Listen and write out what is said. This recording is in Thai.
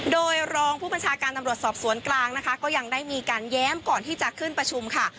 โดยรองผู้บัญชาการตำรวจสอบสวนกลางนะคะก็ยังได้มีการแย้มก่อนที่จะขึ้นประชุมค่ะ